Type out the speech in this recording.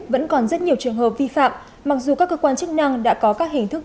vẫn còn rất nhiều trường hợp vi phạm mặc dù các cơ quan chức năng đã có các hình thức